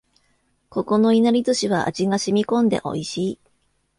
ここのいなり寿司は味が染み込んで美味しい